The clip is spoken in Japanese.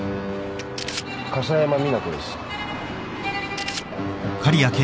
笠山美奈子です。